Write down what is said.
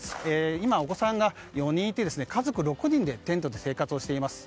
今、お子さんが４人いて家族６人でテントで生活しています。